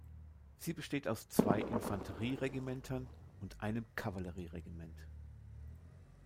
Sie besteht aus zwei Infanterie-Regimentern und einem Kavallerie-Regiment.